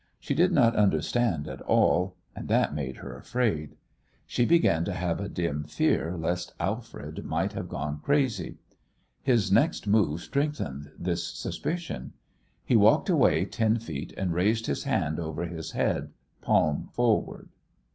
She did not understand at all, and that made her afraid. She began to have a dim fear lest Alfred might have gone crazy. His next move strengthened this suspicion. He walked away ten feet and raised his hand over his head, palm forward.